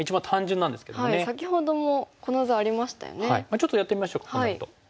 ちょっとやってみましょうかこのあと。